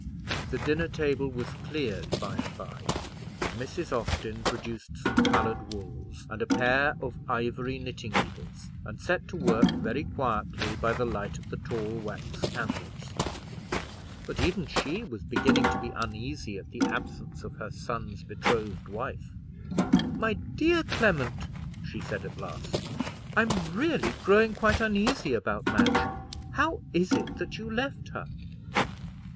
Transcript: The dinner table was cleared by and by, and Mrs. Austin produced some coloured wools, and a pair of ivory knitting needles, and set to work very quietly by the light of the tall wax candles; but even she was beginning to be uneasy at the absence of her son's betrothed wife. "My dear Clement," she said at last, "I'm really growing quite uneasy about Madge. How is it that you left her?"